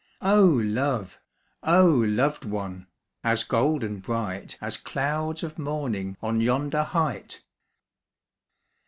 Oh love! oh loved one! As golden bright, As clouds of morning On yonder height!